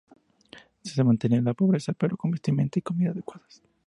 Se mantenía la pobreza, pero con vestimenta y comida adecuadas.